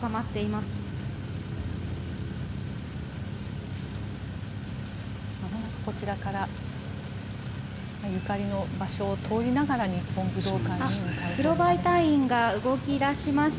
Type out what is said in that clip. まもなくこちらからゆかりの場所を通りながら日本武道館に向かいます。